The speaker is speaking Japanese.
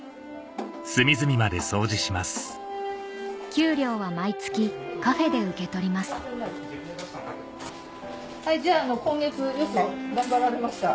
給料は毎月カフェで受け取りますじゃあ今月よく頑張られました。